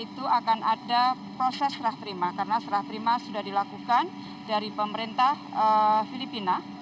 itu akan ada proses serah terima karena serah terima sudah dilakukan dari pemerintah filipina